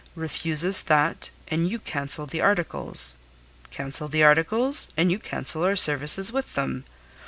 Refuse us that, and you cancel the articles; cancel the articles, and you cancel our services with them.